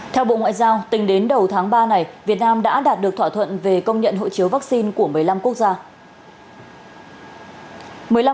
theo bộ ngoại giao tính đến đầu tháng ba này việt nam đã đạt được thỏa thuận về công nhận hộ chiếu vaccine của một mươi năm quốc gia